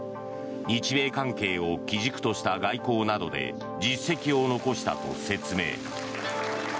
日米関係を基軸とした外交などで実績を残したと説明。